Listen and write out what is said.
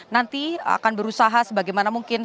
nanti akan berusaha sebagaimana mungkin